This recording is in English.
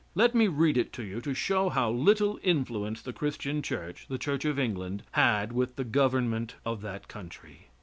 Let me read it to you to show how little influence the Christian church, the Church of England, had with the government of that country.